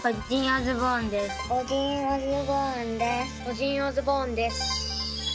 オジンオズボーンです。